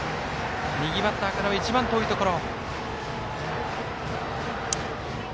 右バッターからは一番遠いところ。